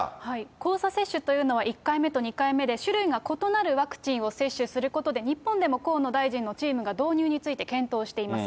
交差接種というのは、１回目と２回目で種類が異なるワクチンを接種することで、日本でも河野大臣のチームが導入について検討しています。